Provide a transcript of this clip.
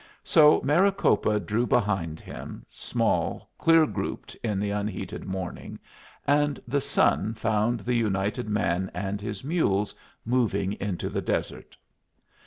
So Maricopa drew behind him, small, clear grouped in the unheated morning, and the sun found the united man and his mules moving into the desert.